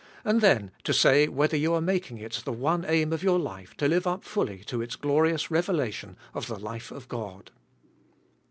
And then to say whether you are making it ths one aim of your life to Hue up fully to its glorious revelation of the life of God.